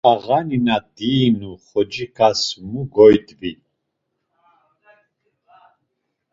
Ağani na diinu xociǩas mu gyodvi?